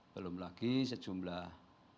belum lagi sejumlah